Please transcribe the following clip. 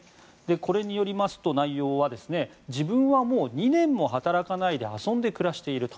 これによりますと内容は自分はもう２年も働かないで遊んで暮らしていると。